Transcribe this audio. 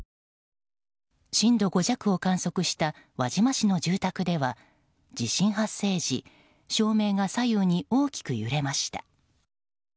震度５弱を観測した輪島市の住宅では地震発生時照明が左右に大きく揺れました。